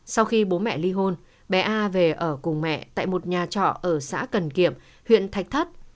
sau khi bố mẹ ly hôn bé a về ở cùng mẹ tại một nhà trọ ở xã cần kiệm huyện thạch thất